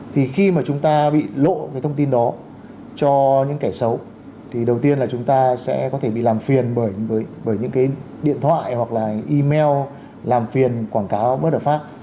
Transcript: thì khi mà chúng ta bị lộ cái thông tin đó cho những kẻ xấu thì đầu tiên là chúng ta sẽ có thể bị làm phiền bởi những cái điện thoại hoặc là email làm phiền quảng cáo bất hợp pháp